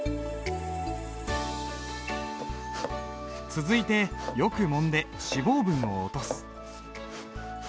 続いてよく揉んで脂肪分を落とす。